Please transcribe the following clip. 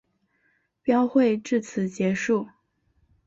标会至此结束。